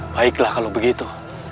baiklah kalau begitu